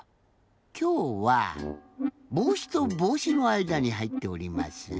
きょうはぼうしとぼうしのあいだにはいっております。